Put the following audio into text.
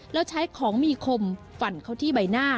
แล้วใช้ของมีคมปั่นเขาที่ใบหน้า